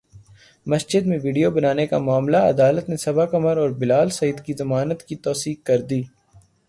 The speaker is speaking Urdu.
مسجد میں ویڈیو بنانے کا معاملہ عدالت نے صبا قمر اور بلال سعید کی ضمانت کی توثیق کردی